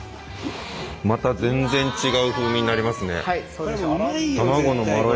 また全然違う風味になりますね。